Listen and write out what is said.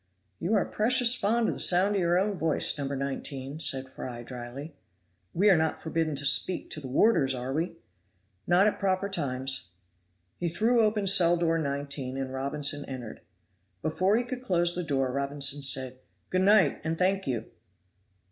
"You are precious fond of the sound of your own voice, No. 19," said Fry dryly. "We are not forbidden to speak to the warders, are we?" "Not at proper times." He threw open cell door 19, and Robinson entered. Before he could close the door Robinson said, "Good night and thank you."